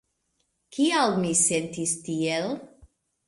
Kial mi sentis tiel?